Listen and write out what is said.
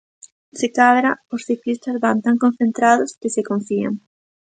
Se cadra os ciclistas van tan concentrados que se confían.